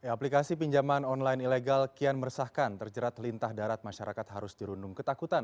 aplikasi pinjaman online ilegal kian meresahkan terjerat lintah darat masyarakat harus dirundung ketakutan